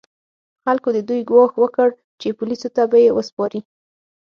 خلکو د دوی ګواښ وکړ چې پولیسو ته به یې وسپاري.